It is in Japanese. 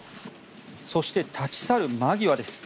そして、立ち去る間際です。